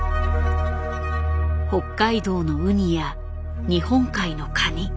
北海道のウニや日本海のカニ。